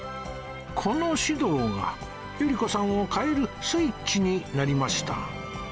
この指導が百合子さんを変えるスイッチになりました